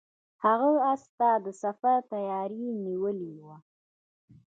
هغه اس ته د سفر تیاری نیولی و.